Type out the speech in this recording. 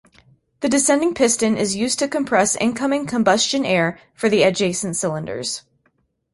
The descending piston is used to compress incoming combustion air for the adjacent cylinders.